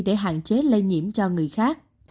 để hạn chế lây nhiễm cho người khác